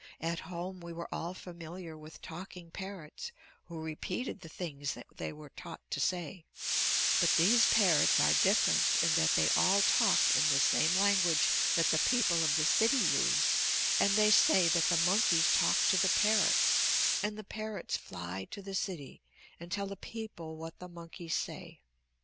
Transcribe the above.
At home we were all familiar with talking parrots who repeated the things that they were taught to say, but these parrots are different in that they all talk in the same language that the people of the city use, and they say that the monkeys talk to the parrots and the parrots fly to the city and tell the people what the monkeys say.